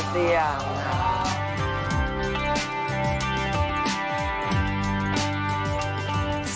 เซียเซีย